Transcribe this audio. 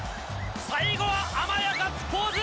最後はアマヤがガッツポーズ！